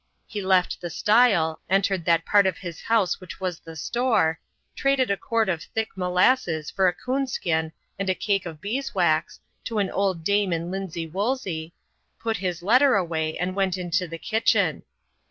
He left the stile, entered that part of his house which was the store, traded a quart of thick molasses for a coonskin and a cake of beeswax, to an old dame in linsey woolsey, put his letter away, and went into the kitchen.